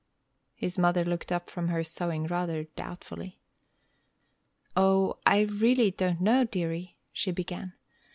His mother looked up from her sewing rather doubtfully. "O, I really don't know, dearie!" she began.